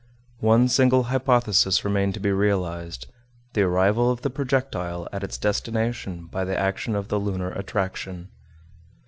One single hypothesis remained to be realized, the arrival of the projectile at its destination by the action of the lunar attraction.